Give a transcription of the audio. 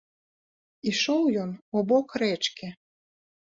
Ішоў ён у бок рэчкі.